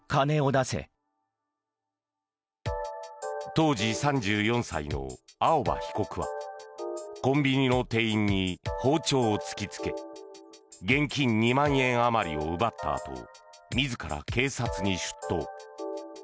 当時３４歳の青葉被告はコンビニの店員に包丁を突きつけ現金２万円あまりを奪ったあと自ら警察に出頭。